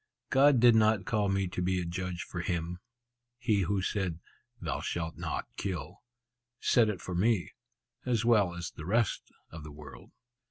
God did not call me to be a judge for Him. He who said, 'Thou shalt not kill,' said it for me, as well as the rest of the world."